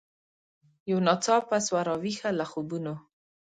یو ناڅاپه سوه را ویښه له خوبونو